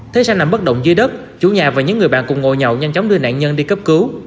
thấy xe nằm bất động dưới đất chủ nhà và những người bạn cùng ngồi nhậu nhanh chóng đưa nạn nhân đi cấp cứu